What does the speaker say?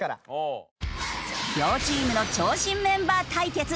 両チームの長身メンバー対決。